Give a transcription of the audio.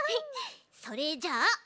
それじゃあたま